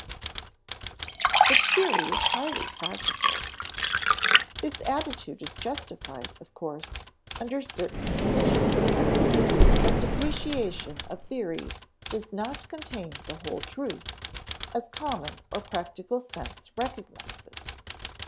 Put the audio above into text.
[Sidenote: But theory is highly practical] This attitude is justified, of course, under certain conditions. But depreciation of theory does not contain the whole truth, as common or practical sense recognizes.